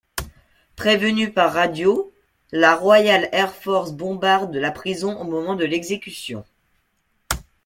Prévenue par radio, la Royal Air Force bombarde la prison au moment de l'exécution.